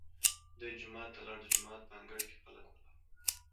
دی جومات ته لاړ، د جومات په انګړ کې خلک ولاړ.